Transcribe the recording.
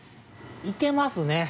いけますね。